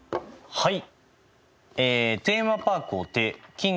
はい。